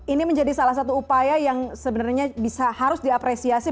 ini menjadi salah satu upaya yang sebenarnya bisa harus diapresiasi